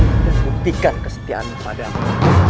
dan buktikan kesetiaanmu padamu